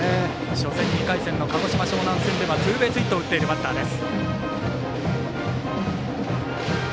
初戦、２回戦の鹿児島・樟南戦ではツーベースヒットを打っているバッターです。